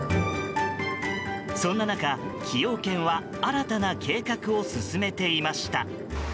そんな中、崎陽軒は新たな計画を進めていました。